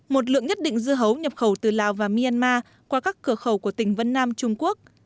một lượng nhất định dưa hấu nhập khẩu từ lào và myanmar qua các cửa khẩu của tỉnh vân nam trung quốc